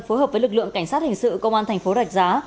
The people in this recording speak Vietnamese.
phối hợp với lực lượng cảnh sát hình sự công an thành phố rạch giá